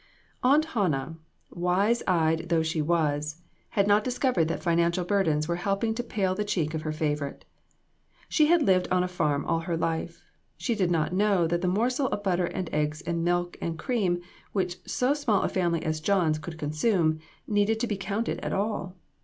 Aunt Hannah, wise eyed though she was, had not discovered that financial burdens were help ing to pale the cheek of her favorite. She had lived on a farm all her life; she did not know" that the morsel of butter and eggs and milk and cream which so small a family as John's could consume, needed to be counted at all.